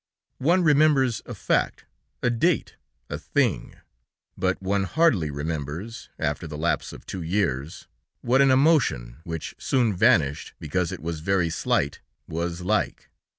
One remembers a fact, a date, a thing, but one hardly remembers, after the lapse of two years, what an emotion, which soon vanished, because it was very slight, was like.